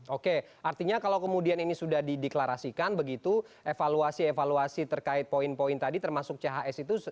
oke artinya kalau kemudian ini sudah dideklarasikan begitu evaluasi evaluasi terkait poin poin tadi termasuk chs itu